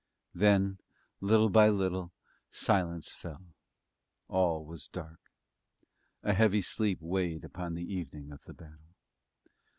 Then, little by little, silence fell; all was dark; a heavy sleep weighed upon the evening of the battle!